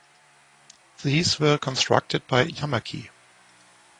These were constructed by Yamaki.